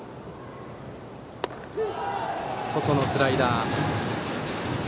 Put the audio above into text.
外のスライダー。